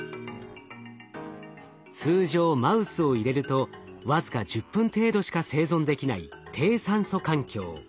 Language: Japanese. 通常マウスを入れると僅か１０分程度しか生存できない低酸素環境。